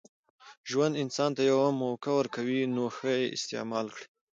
ژوند انسان ته یوه موکه ورکوي، نوښه ئې استعیمال کړئ!